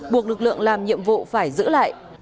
buộc lực lượng làm nhiệm vụ phải giữ lại